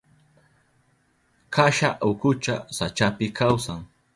Kasha ukucha sachapi kawsan.